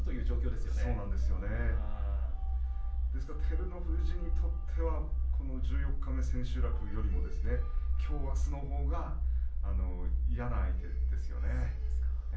ですから照ノ富士にとっては十四日目、千秋楽よりもきょう、あすのほうが嫌な相手ですよね。